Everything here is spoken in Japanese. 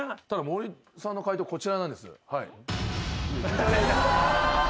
森さんの解答こちらなんです。